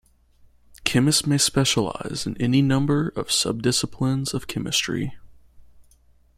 Chemists may specialize in any number of subdisciplines of chemistry.